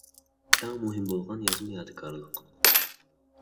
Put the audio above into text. ئەڭ مۇھىم بولغان يازما يادىكارلىق.